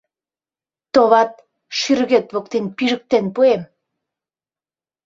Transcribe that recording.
Товат, шӱргет воктен пижыктен пуэм.